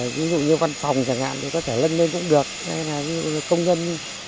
ví dụ như văn phòng chẳng hạn có thể lên lên cũng được hay là công nhân